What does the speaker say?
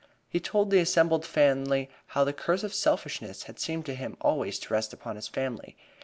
He told the assembled company how the curse of selfishness had seemed to him always to rest upon his family.